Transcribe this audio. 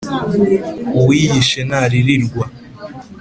Uwiyishe ntaririrwa.